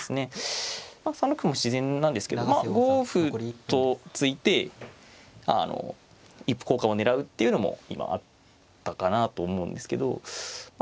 ３六歩も自然なんですけど５五歩と突いて一歩交換を狙うっていうのも今あったかなと思うんですけどまあ